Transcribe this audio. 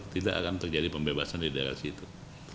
tidak akan terjadi pembebasan di daerah situ